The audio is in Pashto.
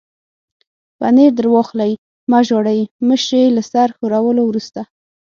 پنیر در واخلئ، مه ژاړئ، مشرې یې له سر ښورولو وروسته.